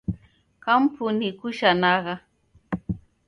Kampuni ikushanagha.